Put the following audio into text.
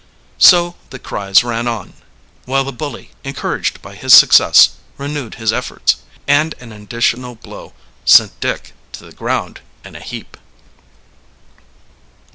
So the cries ran on, while the bully, encouraged by his success, renewed his efforts; and an additional blow sent Dick to the ground in a heap.